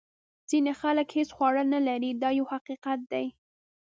ځینې خلک هیڅ خواړه نه لري دا یو حقیقت دی.